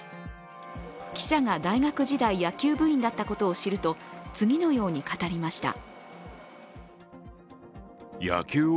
記者が大学時代、野球部員だったことを知ると次のように語りました。